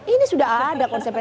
ini sudah ada konsepnya